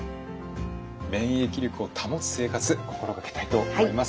免疫力を保つ生活心掛けたいと思います。